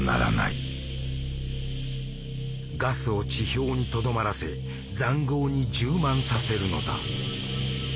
ガスを地表にとどまらせ塹壕に充満させるのだ。